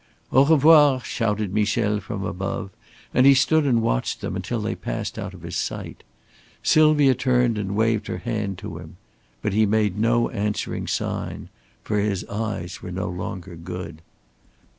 "Au revoir!" shouted Michel from above, and he stood and watched them, until they passed out of his sight. Sylvia turned and waved her hand to him. But he made no answering sign. For his eyes were no longer good.